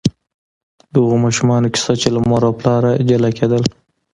د هغو ماشومانو کیسه چې له مور او پلار جلا کېدل.